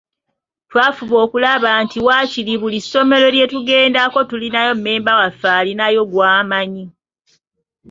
Twafuba okulaba nti waakiri buli ssomero lye tugendako tulina mmemba waffe alinayo gw’amanyi.